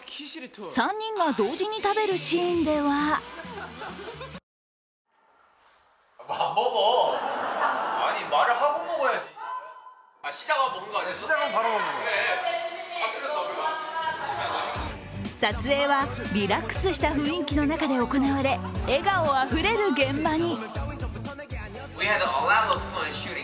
３人が同時に食べるシーンでは撮影はリラックスした雰囲気の中で行われ笑顔あふれる現場に。